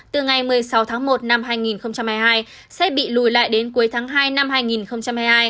từ ngày một mươi sáu tháng một năm hai nghìn hai mươi hai sẽ bị lùi lại đến cuối tháng hai năm hai nghìn hai mươi hai